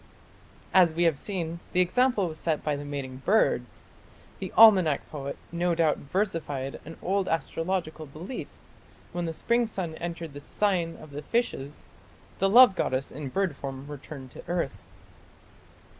As we have seen, the example was set by the mating birds. The "Almanack" poet no doubt versified an old astrological belief: when the spring sun entered the sign of the Fishes, the love goddess in bird form returned to earth.